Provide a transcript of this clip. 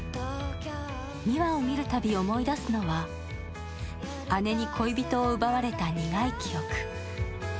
美和を見るたび思い出すのは姉に恋人を奪われた苦い記憶。